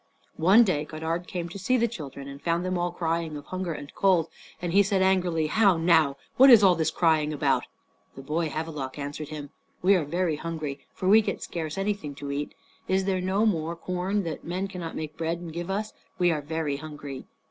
One day Godard came to see the children, and found them all crying of hunger and cold; and he said angrily, "How now! What is all this crying about?" The boy Havelok answered him, "We are very hungry, for we get scarce anything to eat. Is there no more corn, that men cannot make bread and give us? We are very hungry."